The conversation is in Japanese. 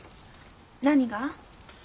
何が？